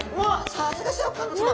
さすがシャーク香音さま。